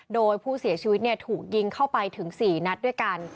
โดยผู้เสียชีวิตถูกยิงเข้าไปถึง๔นัดด้วยกัน